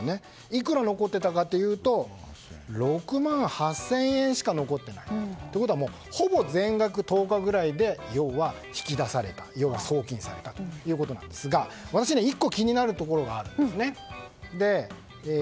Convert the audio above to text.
いくら残っていたかというと６万８０００円しか残っていない。ということはほぼ全額１０日ぐらいで引き出された送金されたということですが私、１個気になるところがあるんですね。